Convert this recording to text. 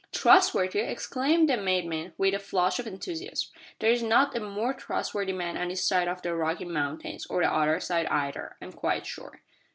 "Trustworthy!" exclaimed the maiden, with a flush of enthusiasm; "there is not a more trustworthy man on this side of the Rocky mountains, or the other side either, I am quite sure."